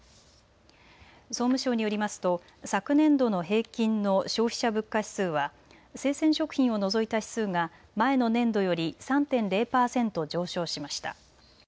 総務省によりますと昨年度の平均の消費者物価指数は生鮮食品を除いた指数が前の年度より３．０％上昇しました。